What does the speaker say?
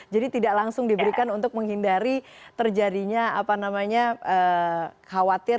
jadi tidak langsung diberikan untuk menghindari terjadinya apa namanya khawatir